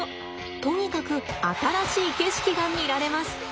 とにかく新しい景色が見られます。